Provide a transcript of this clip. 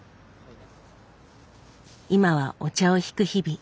今はお茶をひく日々。